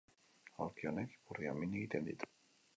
Aulki honek ipurdian min egiten dit